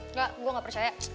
enggak gue gak percaya